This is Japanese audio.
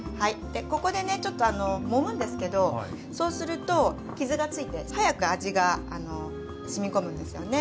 ここでねちょっともむんですけどそうすると傷がついて早く味がしみ込むんですよね。